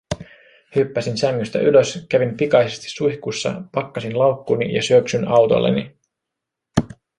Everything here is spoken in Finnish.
Hyppäsin sängystä ylös, kävin pikaisesti suihkussa, pakkasin laukkuni ja syöksyn autolleni.